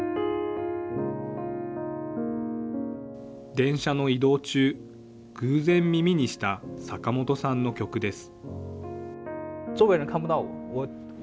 電車の移動中、偶然耳にした、坂本さんの曲です。